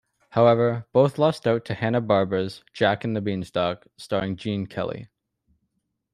However both lost out to Hanna-Barbera's "Jack and the Beanstalk", starring Gene Kelly.